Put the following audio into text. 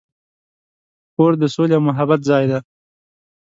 کور د سولې او محبت ځای دی.